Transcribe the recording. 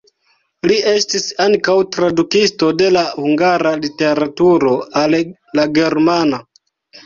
Li estis ankaŭ tradukisto de la hungara literaturo al la germana.